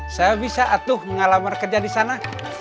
saya bisa atuh pengalaman kerja di sana